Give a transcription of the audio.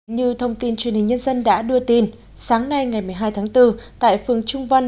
như thông tin truyền hình nhân dân đã đưa tin sáng nay ngày một mươi hai tháng bốn tại phường trung văn